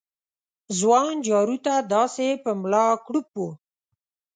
ځوان جارو ته داسې په ملا کړوپ و